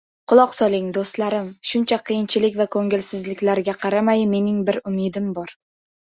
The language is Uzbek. Quloq soling, do‘stlarim, shuncha qiyinchilik va ko‘ngilsizliklarga qaramay, mening bir umidim bor.